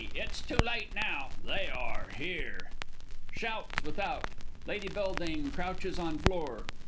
It's too late now they are here! [Shouts without. Lady B. _crouches on floor.